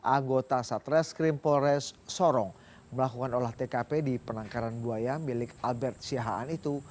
anggota satreskrim polres sorong melakukan olah tkp di penangkaran buaya milik albert siahaan itu